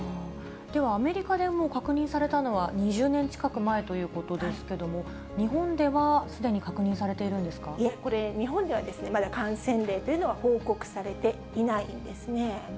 ではアメリカでも確認されたのは２０年近く前ということですけども、日本ではすでに確認されいえ、これ、日本ではまだ感染例というのは報告されていないんですね。